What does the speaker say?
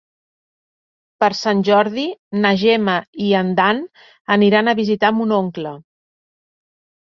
Per Sant Jordi na Gemma i en Dan aniran a visitar mon oncle.